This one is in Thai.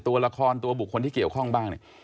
ตัวละครตัวบุคคลที่เกี่ยวข้องบ้างเนี่ย